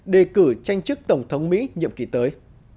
đề cử tranh chức tổng thống mỹ nhiệm kỳ tới